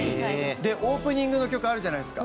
オープニングの曲あるじゃないですか。